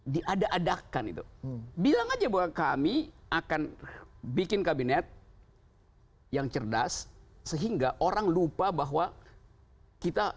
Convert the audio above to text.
diada adakan itu bilang aja bahwa kami akan bikin kabinet yang cerdas sehingga orang lupa bahwa kita